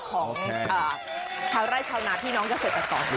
ของชาวไร้ชาวหนาที่น้องก็เสร็จกับต่อครับ